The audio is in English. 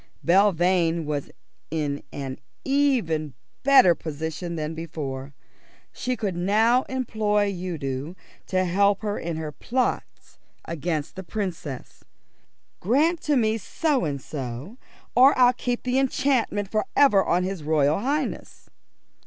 Belvane was in an even better position than before. She could now employ Udo to help her in her plots against the Princess. "Grant to me so and so, or I'll keep the enchantment for ever on his Royal Highness."